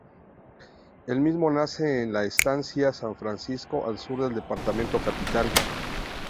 El mismo nace en la Estancia San Francisco, al sur del Departamento Capital.